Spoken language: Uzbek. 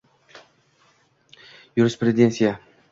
yurisprudensiya;